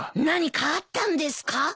何かあったんですか？